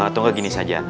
tunggu gini saja